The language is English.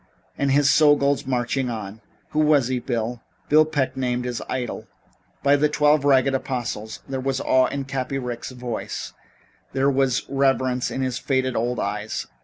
And his soul goes marching on, eh? Who was he, Bill?" Bill Peck named his idol. "By the Twelve Ragged Apostles!" There was awe in Cappy Ricks' voice, there was reverence in his faded old eyes.